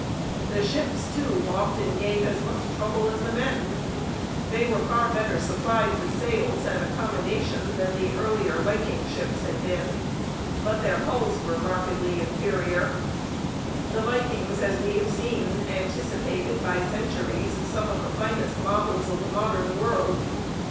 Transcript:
The ships, too, often gave as much trouble as the men. They were far better supplied with sails and accommodation than the earlier Viking ships had been; but their hulls were markedly inferior. The Vikings, as we have seen, anticipated by centuries some of the finest models of the modern world.